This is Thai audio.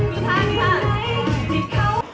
มีทางที่ไหนที่เข้า